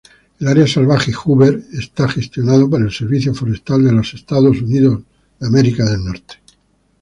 El área salvaje Hoover es gestionada por el Servicio Forestal de los Estados Unidos.